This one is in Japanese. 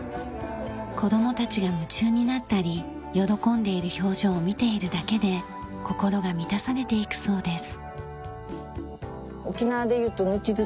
子供たちが夢中になったり喜んでいる表情を見ているだけで心が満たされていくそうです。